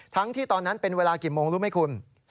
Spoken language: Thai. ที่ตอนนั้นเป็นเวลากี่โมงรู้ไหมคุณ